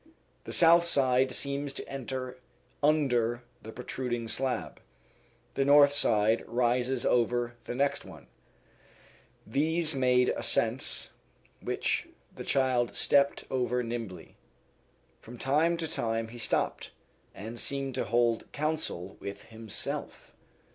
The south side seems to enter under the protruding slab, the north side rises over the next one; these made ascents, which the child stepped over nimbly. From time to time he stopped, and seemed to hold counsel with himself.